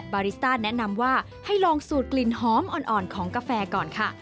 บาริสต้าแนะนำว่าให้ลองสูตรกลิ่นหอมอ่อนของกาแฟก่อนค่ะ